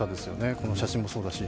この写真もそうだし